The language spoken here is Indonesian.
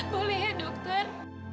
boleh ya dokter